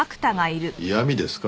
嫌みですか？